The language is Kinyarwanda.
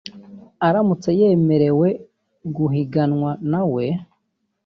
aramutse yemerewe guhiganywa na we